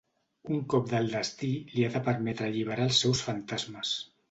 Un cop del destí li ha de permetre alliberar els seus fantasmes.